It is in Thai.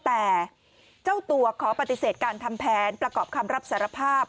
แต่เจ้าตัวขอปฏิเสธการทำแผนประกอบคำรับสารภาพ